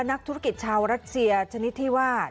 นักธุรกิจชาวรัสเซียชนิดที่ว่า